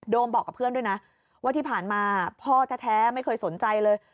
บอกกับเพื่อนด้วยนะว่าที่ผ่านมาพ่อแท้ไม่เคยสนใจเลย